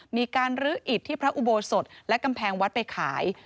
มีการลื้ออิตที่พระอุโบสถและกำแพงวัดไปขาย